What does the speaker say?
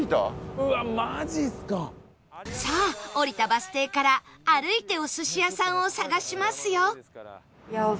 さあ降りたバス停から歩いてお寿司屋さんを探しますよ